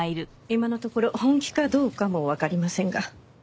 今のところ本気かどうかもわかりませんが。